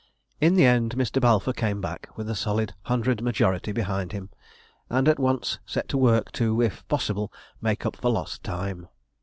In the end, Mr. Balfour came back with a solid hundred majority behind him, and at once set to work to, if possible, make up for lost time.